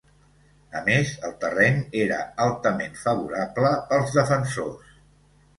A més, el terreny era altament favorable pels defensors.